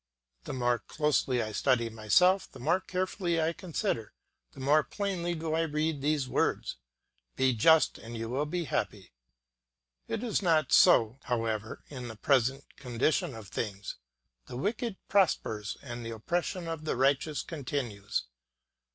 The more closely I study myself, the more carefully I consider, the more plainly do I read these words, "Be just and you will be happy." It is not so, however, in the present condition of things, the wicked prospers and the oppression of the righteous continues.